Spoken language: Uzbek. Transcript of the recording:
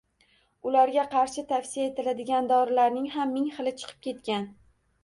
Ularga qarshi tavsiya etiladigan dorilarning ham ming xili chiqib ketgan.